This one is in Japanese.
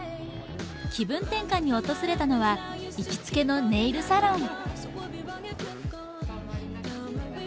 気分転換に訪れたのは行きつけのネイルサロン。